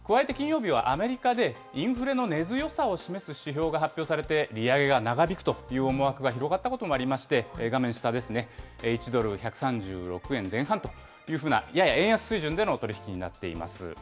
加えて金曜日はアメリカでインフレの根強さを示す指標が発表されて、利上げが長引くという思惑が広がったこともありまして、画面下ですね、１ドル１３６円前半という、やや円安水準での取り引きになっています。